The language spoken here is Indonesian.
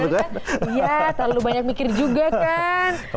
iya terlalu banyak mikir juga kan